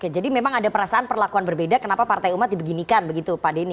jadi memang ada perasaan perlakuan berbeda kenapa partai umat dibeginikan begitu pak denny